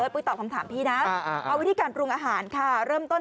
พูดตอบคำถามนี้นะวิธีการปรุงอาหารเริ่มต้น